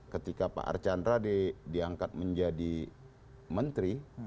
ketika pak archandra diangkat menjadi menteri